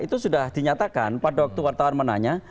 itu sudah dinyatakan pada waktu wartawan menanya